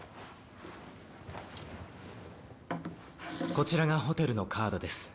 こちらがホテルのカードです。